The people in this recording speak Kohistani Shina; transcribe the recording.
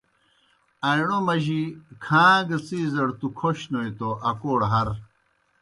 آئیݨومَجیْ کھاں گہ څِیزَڑ تُوْ کھوشنوئے توْ اکوڑ ہر۔